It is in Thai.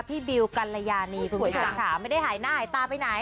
บิวกัลยานีคุณผู้ชมค่ะไม่ได้หายหน้าหายตาไปไหน